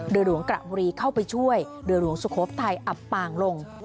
เรือหลวงกระบุรีเข้าไปช่วยเรือหลวงสุโขทัยอับปางลง